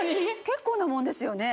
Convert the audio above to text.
結構なもんですよね？